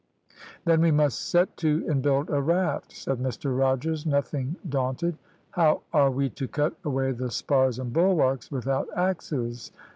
"`Then we must set to and build a raft,' said Mr Rogers, nothing daunted. "`How are we to cut away the spars and bulwarks without axes?'